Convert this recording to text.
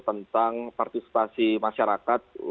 tentang partisipasi masyarakat